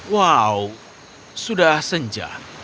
wow sudah senja